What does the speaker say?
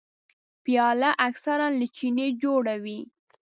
پیاله اکثره له چیني جوړه وي.